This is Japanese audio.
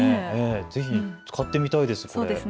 ぜひ使ってみたいですね。